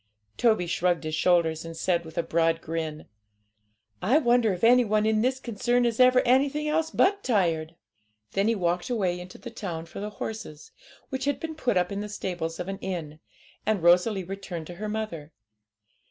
Toby shrugged his shoulders, and said, with a broad grin 'I wonder if any one in this concern is ever anything else but tired!' Then he walked away into the town for the horses, which had been put up in the stables of an inn, and Rosalie returned to her mother.